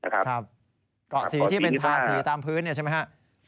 เกาะสีที่เป็นทาสีตามพื้นเนี่ยใช่ไหมครับ